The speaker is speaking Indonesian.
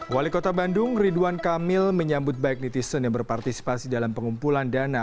wali kota bandung ridwan kamil menyambut baik netizen yang berpartisipasi dalam pengumpulan dana